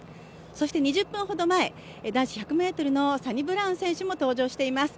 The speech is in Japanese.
そして２０分ほど前、男子１００ｍのサニブラウン選手も登場しています。